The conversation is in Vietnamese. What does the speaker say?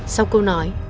sau câu nói